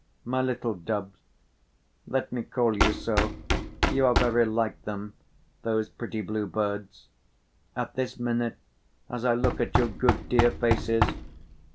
My little doves—let me call you so, for you are very like them, those pretty blue birds, at this minute as I look at your good dear faces.